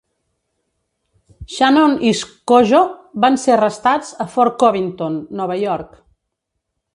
Shannon i Skojo van ser arrestats a Fort Covington, Nova York.